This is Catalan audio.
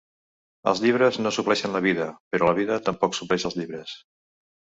Els llibres no supleixen la vida, però la vida tampoc supleix els llibres.